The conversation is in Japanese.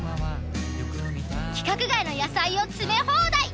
規格外の野菜を詰め放題。